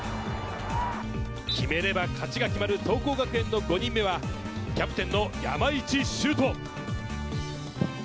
決めれば勝ちが決まる桐光学園の５人目はキャプテンの山市秀翔。